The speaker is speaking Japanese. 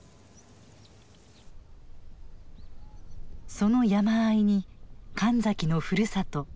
その山あいに神崎のふるさと